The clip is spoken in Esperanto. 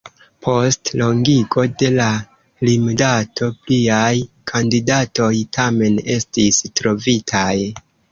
Post longigo de la limdato pliaj kandidatoj tamen estis trovitaj.